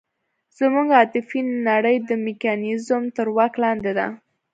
زموږ عاطفي نړۍ د میکانیزم تر واک لاندې ده.